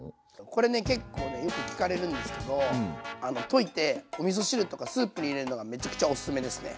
これね結構よく聞かれるんですけど溶いておみそ汁とかスープに入れるのがめちゃくちゃオススメですね。